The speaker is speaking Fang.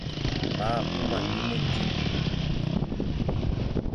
Ma a kuma nyu mendi,